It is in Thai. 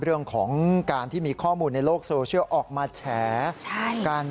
เรื่องของการที่มีข้อมูลในโลกโซเชียลออกมาแฉกัน